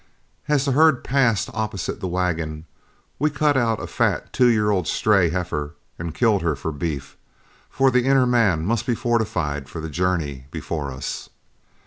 As the herd passed opposite the wagon, we cut a fat two year old stray heifer and killed her for beef, for the inner man must be fortified for the journey before us.